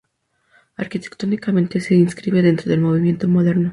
Arquitectónicamente se inscribe dentro del Movimiento Moderno.